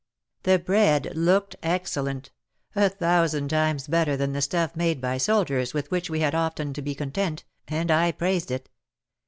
The bread looked excel lent — a thousand times better than the stuff made by soldiers with which we had often to be content, and I praised it.